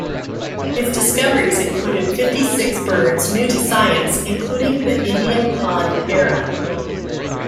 His discoveries included fifty-six birds new to science, including the Indian pond heron.